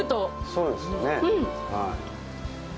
そうですよね。